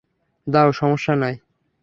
দাও, সমস্যা নেই।